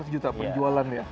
lima ratus juta penjualan ya